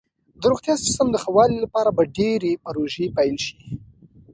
د روغتیا سیستم ښه والي لپاره به ډیرې پروژې پیل شي.